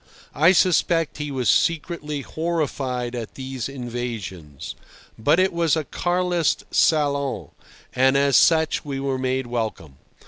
I suspect he was secretly horrified at these invasions. But it was a Carlist salon, and as such we were made welcome.